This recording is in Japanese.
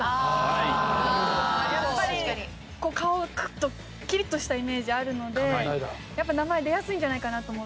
やっぱりこう顔がクッとキリッとしたイメージあるのでやっぱ名前出やすいんじゃないかなと思って。